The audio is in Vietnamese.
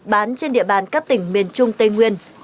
bán trên địa bàn các tỉnh miền trung tây nguyên